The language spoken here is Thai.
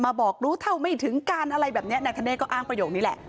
บอกรู้เท่าไม่ถึงการอะไรแบบนี้นายธเนธก็อ้างประโยคนี้แหละ